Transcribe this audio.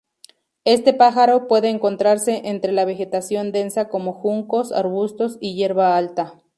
Este pájaro puede encontrarse entre la vegetación densa como juncos, arbustos y hierba alta.